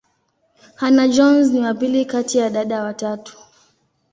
Hannah-Jones ni wa pili kati ya dada watatu.